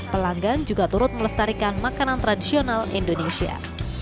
pelanggan juga turut melestarikan makanan tradisional indonesia